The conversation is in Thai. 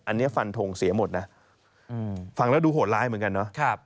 อันนี้ฟันทงเสียหมดนะฟังแล้วดูโหดร้ายเหมือนกันเนาะ